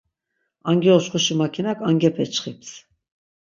Angi oçxuşi makinak, angepe çxips.